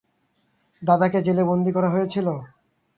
দাদাকে জেলে বন্দী করা হয়েছিল?